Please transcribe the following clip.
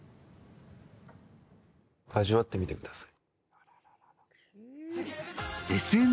味わってみてください。